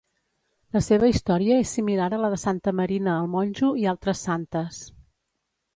La seva història és similar a la de Santa Marina el Monjo i altres santes.